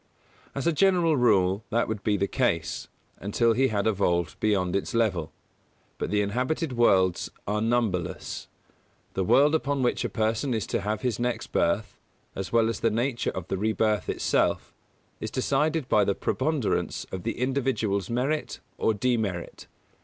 As a general rule that would be the case, until he had evolved beyond its level; but the inhabited worlds are numberless. The world upon which a person is to have his next birth, as well as the nature of the rebirth itself, is decided by the preponderance of the individual's merit or demerit.